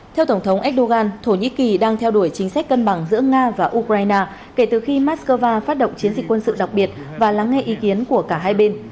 theo tổng thống erdogan thổ nhĩ kỳ đang theo đuổi chính sách cân bằng giữa nga và ukraine kể từ khi moscow phát động chiến dịch quân sự đặc biệt và lắng nghe ý kiến của cả hai bên